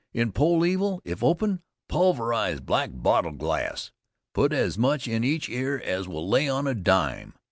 In poll evil, if open, pulverize black bottle glass, put as much in each ear as will lay on a dime.